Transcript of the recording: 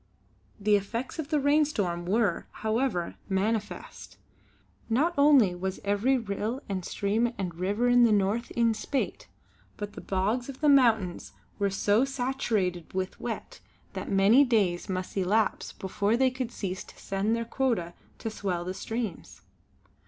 The effects of the rainstorm were, however, manifest. Not only was every rill and stream and river in the North in spate but the bogs of the mountains were so saturated with wet that many days must elapse before they could cease to send their quota to swell the streams.